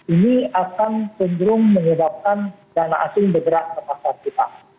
ini akan cenderung menyebabkan dana asing bergerak ke pasar kita